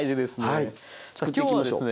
はい作っていきましょう。